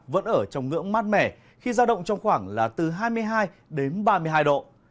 vẫn ở trong ngưỡng mát mẻ khi giao động trong khoảng là từ hai mươi hai đến ba mươi hai độ